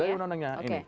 dari undang undangnya ini